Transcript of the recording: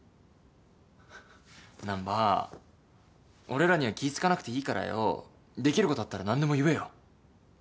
難破俺らには気ぃ使わなくていいからよできることあったら何でも言えよ。